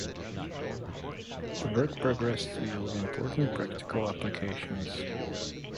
The work progressed to yield important practical applications.